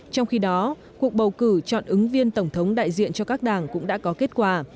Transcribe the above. trong khi đó cuộc bầu cử chọn ứng viên tổng thống đại diện cho các đảng cũng đã có kết quả